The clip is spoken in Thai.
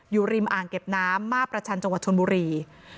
อยู่ริมอ่างเก็บน้ำหมาประชานชนบุรี